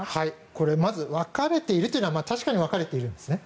これ、まず分かれているというのは確かに分かれているんですね。